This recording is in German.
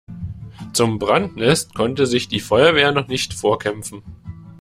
Zum Brandnest konnte sich die Feuerwehr noch nicht vorkämpfen.